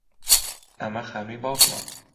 ئەمە خانووی باوکمە.